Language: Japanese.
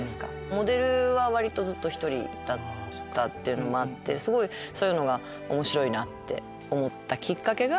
モデルは割とずっと１人だったっていうのもあってすごいそういうのが面白いなって思ったキッカケが『